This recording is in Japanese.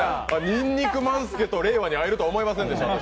ニンニク満助と令和で会えるとは思いませんでした。